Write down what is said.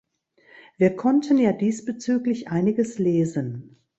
Wir konnten ja diesbezüglich einiges lesen.